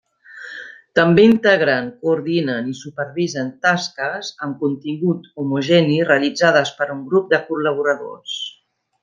També integren, coordinen i supervisen tasques amb contingut homogeni realitzades per un grup de col·laboradors.